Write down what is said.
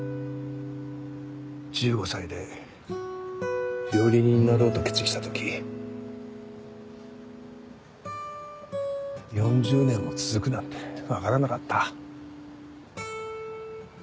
１５歳で料理人になろうと決意した時４０年も続くなんて分からなかった。